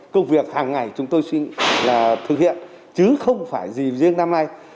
công việc hàng ngày chúng tôi suy nghĩ là thực hiện chứ không phải gì riêng năm nay